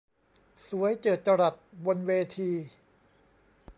สวยเจิดจรัสบนเวที